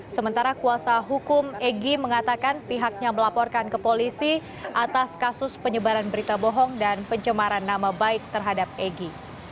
sementara kuasa hukum egy mengatakan pihaknya melaporkan ke polisi atas kasus penyebaran berita bohong dan pencemaran nama baik terhadap egy